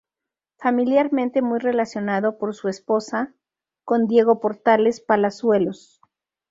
Familiarmente muy relacionado por su esposa con Diego Portales Palazuelos.